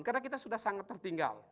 karena kita sudah sangat tertinggal